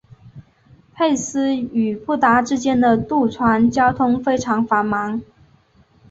佩斯与布达之间的渡船交通非常繁忙。